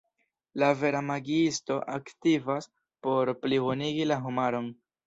La vera magiisto aktivas por plibonigi la homaron.